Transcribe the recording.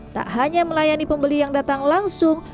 tak hanya melayani pembeli yang datang langsung